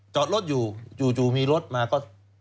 จอดรถอยู่จู่มีรถมาก็